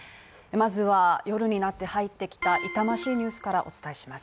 まずは、夜になって入ってきた痛ましいニュースからお伝えします。